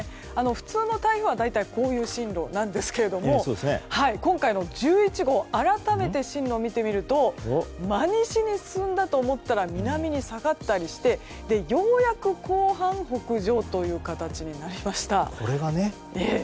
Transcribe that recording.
普通の台風は大体こういう進路なんですけれども今回の１１号改めて進路を見てみると真西に進んだと思ったら南に下がったりしてようやく後半北上という形になりました。